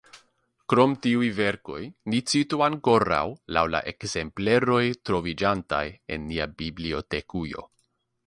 Krom tiuj verkoj ni citu ankoraŭ laŭ la ekzempleroj troviĝantaj en nia bibliotekujo.